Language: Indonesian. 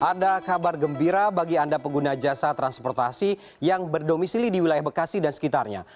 ada kabar gembira bagi anda pengguna jasa transportasi yang berdomisili di wilayah bekasi dan sekitarnya